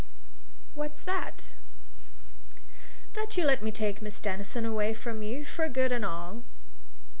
"What's that?" "That you let me take Miss Denison away from you, for good and all!"